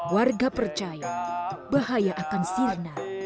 warga percaya bahaya akan sirna